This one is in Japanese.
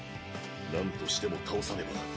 なんとしても倒さねば。